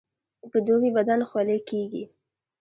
په دوبي بدن خولې کیږي